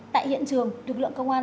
tại hiện trường lực lượng công an